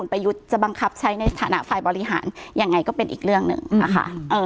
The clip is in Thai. ประยุทธ์จะบังคับใช้ในฐานะฝ่ายบริหารยังไงก็เป็นอีกเรื่องหนึ่งนะคะ